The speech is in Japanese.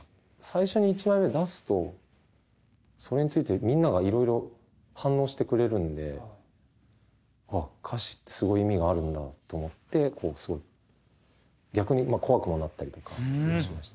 最初に１枚目出すとそれについてみんながいろいろ反応してくれるんで歌詞ってすごい意味があるんだと思ってすごい逆に怖くもなったりとかすごいしましたし。